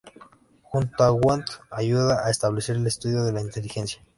Junto a Wundt ayuda a establecer el estudio de la inteligencia.